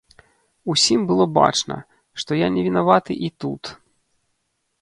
Усім было бачна, што я не вінаваты і тут.